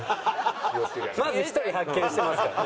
まず１人発見してますからね。